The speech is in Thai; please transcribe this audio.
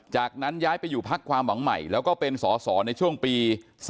จากนั้นย้ายไปอยู่พักความหวังใหม่แล้วก็เป็นสอสอในช่วงปี๒๕๖